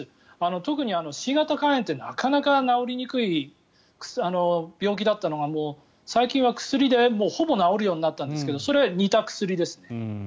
特に新型肝炎ってなかなか治りにくい病気だったのが最近は薬でほぼ治るようになったんですがそれに似た薬ですね。